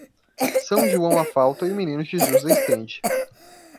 São João a falta e o Menino Jesus a estende.